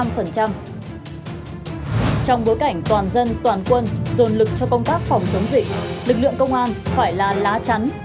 trong bối cảnh toàn dân toàn quân dồn lực cho công tác phòng chống dịch lực lượng công an phải là lá chắn